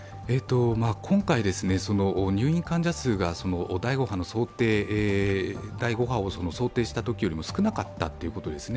今回、入院患者数が第５波を想定したときより少なかったということですね。